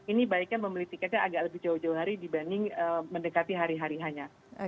ini baiknya membeli tiketnya agak lebih jauh jauh hari dibanding mendekati hari hari hanya